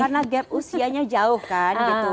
karena gap usianya jauh kan gitu